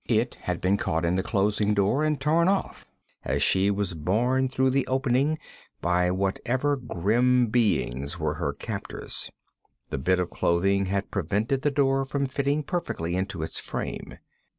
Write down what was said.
It had been caught in the closing door and torn off as she was borne through the opening by whatever grim beings were her captors. The bit of clothing had prevented the door from fitting perfectly into its frame.